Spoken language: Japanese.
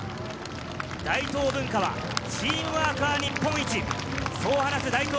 大東文化はチームワークは日本一。